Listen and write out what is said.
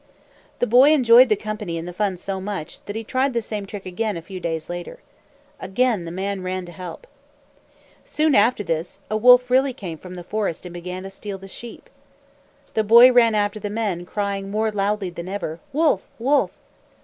The boy enjoyed the company and the fun so much, that he tried the same trick again, a few days later. Again the men ran to help him. Soon after this, a wolf really came from the forest and began to steal the sheep. The boy ran after the men, crying more loudly than ever, "Wolf! Wolf!"